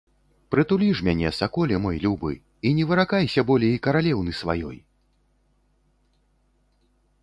Прытулі ж мяне, саколе мой любы, і не выракайся болей каралеўны сваёй!